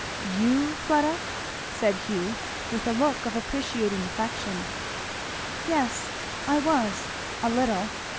"You, Fleda!" said Hugh with a look of appreciating affection. "Yes I was, a little.